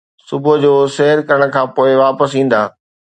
صبح جو، سير ڪرڻ کان پوء واپس ايندا